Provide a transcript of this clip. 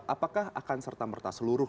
apakah akan serta merta seluruh